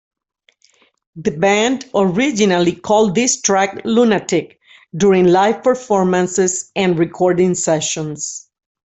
The band originally called this track "Lunatic" during live performances and recording sessions.